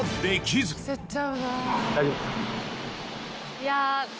いや。